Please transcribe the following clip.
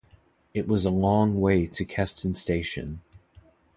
It was a long way to Keston station.